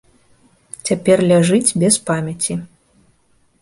Цяпер ляжыць без памяці.